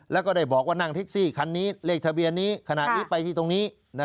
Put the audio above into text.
แล้วก็ได้บอกว่านั่งแท็กซี่คันนี้เลขทะเบียนนี้ขณะนี้ไปที่ตรงนี้